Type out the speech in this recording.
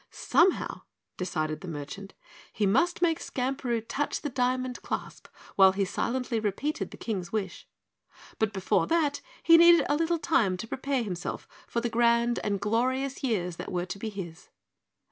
Somehow, decided the merchant, he must make Skamperoo touch the diamond clasp while he silently repeated the King's wish, but before that he needed a little time to prepare himself for the grand and glorious years that were to be his.